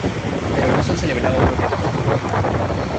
Pero no se han celebrado otros días festivos.